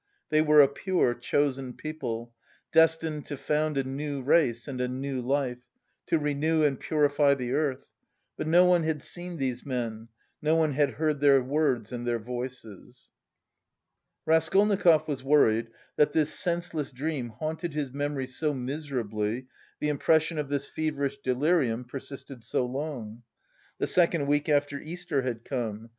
They were a pure chosen people, destined to found a new race and a new life, to renew and purify the earth, but no one had seen these men, no one had heard their words and their voices. Raskolnikov was worried that this senseless dream haunted his memory so miserably, the impression of this feverish delirium persisted so long. The second week after Easter had come.